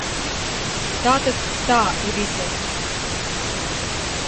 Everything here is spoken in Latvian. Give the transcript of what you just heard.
Tātad tā ir izeja.